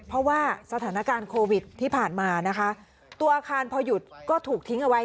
เพราะว่าสถานการณ์โควิดที่ผ่านมานะคะตัวอาคารพอหยุดก็ถูกทิ้งเอาไว้